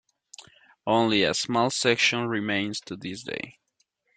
Only a small section remains to this day.